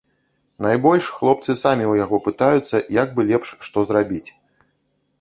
Найбольш хлопцы самі ў яго пытаюцца, як бы лепш што зрабіць.